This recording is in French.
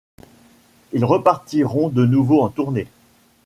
Ils repartiront de nouveau en tournée.